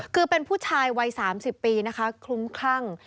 คือเป็นผู้ชายวัย๓๐ปีนะคะคลุ้มคลั่ง